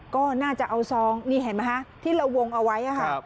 ก็น่าจะเอาซองนี่เห็นไหมคะที่เราวงเอาไว้ค่ะ